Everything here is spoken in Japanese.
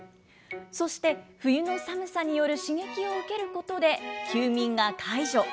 そして、冬の寒さによる刺激を受けることで、休眠が解除。